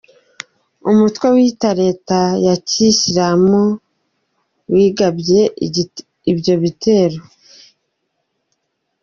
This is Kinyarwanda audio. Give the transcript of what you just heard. Umutwe wiyita leta ya Kiyisilamu wigambye ibyo bitero.